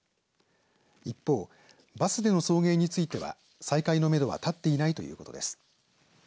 一方、バスでの送迎については再開のめどは立っていないということです。